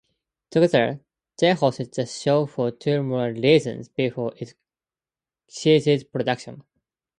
Together, they hosted the show for two more seasons before it ceased production.